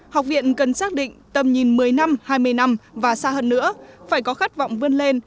học viện cần xác định tầm nhìn một mươi năm hai mươi năm và xa hơn nữa phải có khát vọng vươn lên